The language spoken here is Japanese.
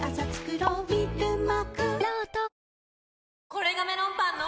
これがメロンパンの！